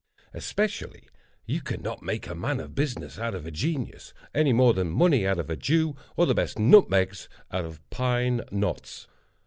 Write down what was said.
Especially, you cannot make a man of business out of a genius, any more than money out of a Jew, or the best nutmegs out of pine knots.